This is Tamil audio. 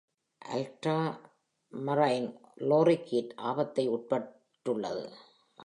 அல்ட்ராமரைன் லோரிகீட் ஆபத்திற்கு உட்பட்டுள்ளது.